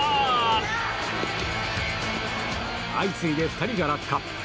相次いで２人が落下。